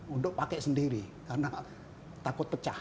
untuk pakai sendiri karena takut pecah